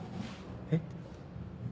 えっ？